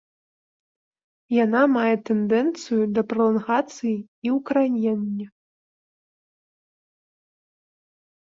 Яна мае тэндэнцыю да пралангацыі і ўкаранення.